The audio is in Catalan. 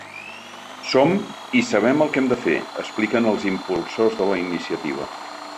Som, i sabem el que hem de fer, expliquen els impulsors de la iniciativa.